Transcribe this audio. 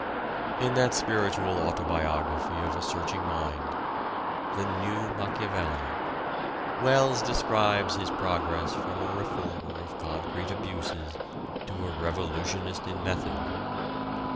In that spiritual autobiography of a searching mind, "The New Machiavelli," Wells describes his progress from a reformer of concrete abuses to a revolutionist in method.